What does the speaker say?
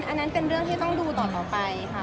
อันนั้นเป็นเรื่องที่ต้องดูต่อไปค่ะ